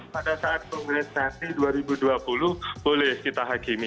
pada saat kongres nanti dua ribu dua puluh boleh kita hakimi